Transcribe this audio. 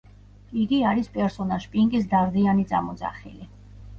იგი არის პერსონაჟ პინკის დარდიანი წამოძახილი.